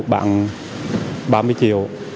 bạn ba mươi triệu